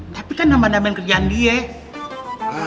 tapi kan nama nama yang kerjaan dia